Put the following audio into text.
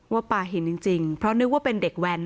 ว่าปลาหินจริงเพราะนึกว่าเป็นเด็กแว้น